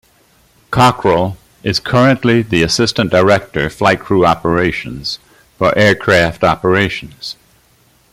Cockrell is currently the Assistant Director, Flight Crew Operations, for aircraft operations.